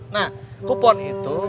nah kupon itu